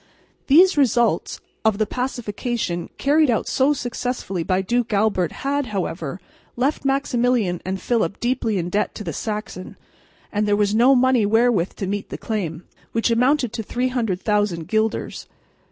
These results of the pacification carried out so successfully by Duke Albert had, however, left Maximilian and Philip deeply in debt to the Saxon; and there was no money wherewith to meet the claim, which amounted to 300,000 guilders.